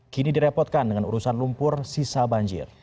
kini direpotkan dengan urusan lumpur sisa banjir